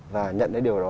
và nhận được điều đó